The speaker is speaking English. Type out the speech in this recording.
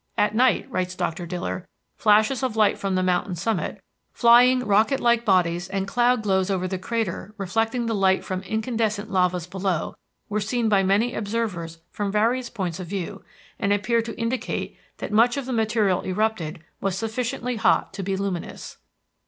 "At night," writes Doctor Diller, "flashes of light from the mountain summit, flying rocket like bodies and cloud glows over the crater reflecting the light from incandescent lavas below, were seen by many observers from various points of view, and appear to indicate that much of the material erupted was sufficiently hot to be luminous."